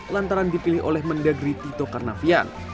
lantaran dipilih oleh mendagri tito karnavian